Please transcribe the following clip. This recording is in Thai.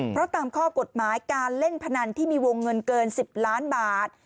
เพราะตามข้อกฎหมายการเล่นพนันที่มีวงเงินเกิน๑๐ล้านบาท